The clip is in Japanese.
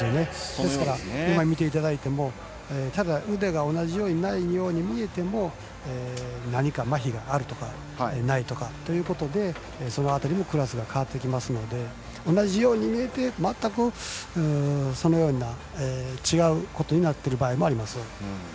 ですから、今見ていただいてもただ、腕が同じようにないように見えても何かまひがあるとかないとかいうことでその辺りでもクラスが変わってきますので同じように見えて全く違うことになっている場合もあります。